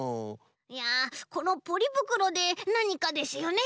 いやこのポリぶくろでなにかですよね？